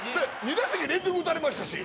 「２打席連続打たれましたし」